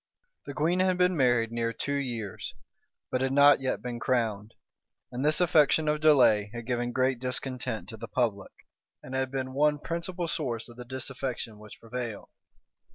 The queen had been married near two years, but had not yet been crowned; and this affectation of delay had given great discontent to the public, and had been one principal source of the disaffection which prevailed.